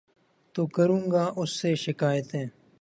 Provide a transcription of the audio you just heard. تو کروں گا اُس سے شکائتیں